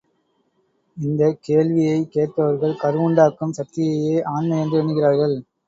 இந்தக் கேள்வியைக் கேட்பவர்கள் கருவுண்டாக்கும் சக்தியையே ஆண்மை என்று எண்ணுகிறார்கள்.